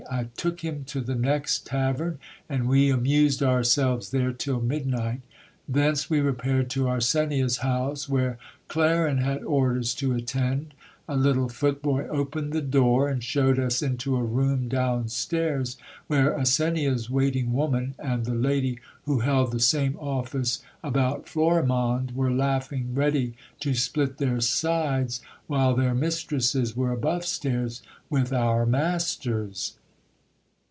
I took him to the next tavern, and we amused ourselves there till midnight Thence we repaired to Arsenia's house, where Clarin had orders to attend. A little footboy opened the door, and showed us into a room down stairs, where Ar menia's waiting woman, and the lady who held the same office about Florimonde, were laughing ready to split their sides, while their mistresses were above stairs with our masters.